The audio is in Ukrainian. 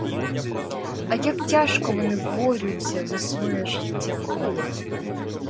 А як тяжко вони борються за своє життя.